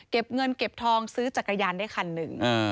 เงินเก็บทองซื้อจักรยานได้คันหนึ่ง